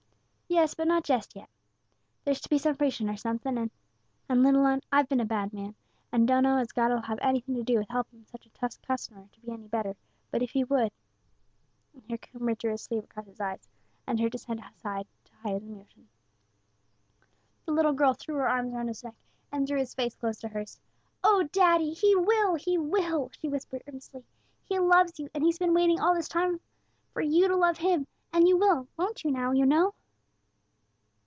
"Yes, but not jest yet. There's to be some preaching or somethin', and and little 'un, I've been a bad man, and I dunno as God'll have anything to do wi' helping such a tough customer to be any better; but if He would " And here Coomber drew his sleeve across his eyes, and turned his head aside to hide his emotion. The little girl threw her arms round his neck, and drew his face close to hers. "Oh, daddy, He will! He will!" she whispered, earnestly; "He loves you, and He's been waiting all this long time for you to love Him; and you will, won't you, now, you know?"